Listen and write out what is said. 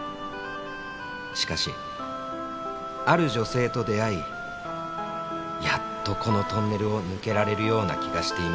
「しかしある女性と出会いやっとこのトンネルを抜けられるような気がしています」